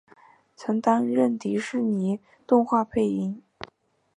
曾经担任迪士尼动画的配音。